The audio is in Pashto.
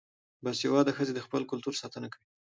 باسواده ښځې د خپل کلتور ساتنه کوي.